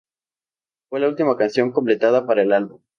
Fue la última canción completada para el álbum.